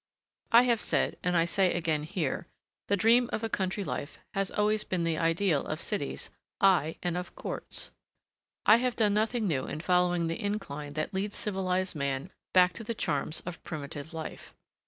I have said, and I say again here: the dream of a country life has always been the ideal of cities, aye, and of courts. I have done nothing new in following the incline that leads civilized man back to the charms of primitive life.